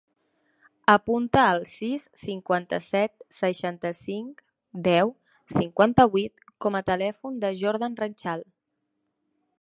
Apunta el sis, cinquanta-set, seixanta-cinc, deu, cinquanta-vuit com a telèfon del Jordan Ranchal.